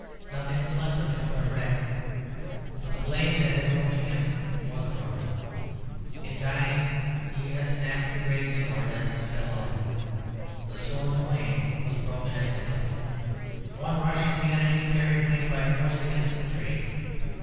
Nothing was left of him but a wreck; but the blade that had broken him was broken. In dying he had snapped the great sword and the spell of it; the sword of Wayne was broken at the hilt. One rush of the enemy carried Wayne by force against the tree.